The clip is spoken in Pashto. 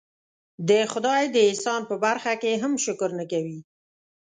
د خدای د احسان په برخه کې هم شکر نه کوي.